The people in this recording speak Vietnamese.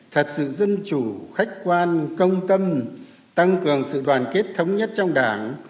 thật sự dân chủ khách quan công tâm tăng cường sự đoàn kết thống nhất trong đảng